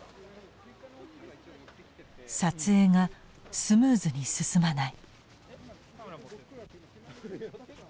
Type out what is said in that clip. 撮影がスムーズに進まない。